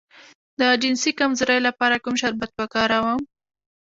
د جنسي کمزوری لپاره کوم شربت وکاروم؟